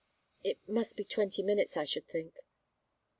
"It must be twenty minutes, I should think."